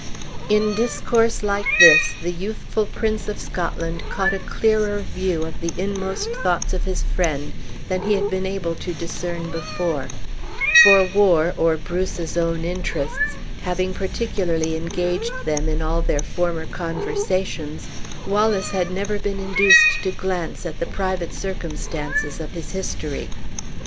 In discourse like this, the youthful Prince of Scotland caught a clearer view of the inmost thoughts of his friend than he had been able to discern before; for war, or Bruce's own interests, having particularly engaged them in all their former conversations, Wallace had never been induced to glance at the private circumstances of his history.